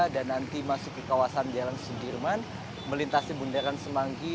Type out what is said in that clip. dan nanti masuk ke kawasan jalan sudirman melintasi bundaran semanggi